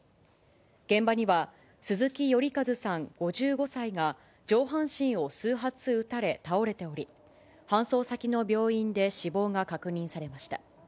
現場には、鈴木頼一さん５５歳が、上半身を数発撃たれ倒れており、搬送先の病院で死亡が確認されました。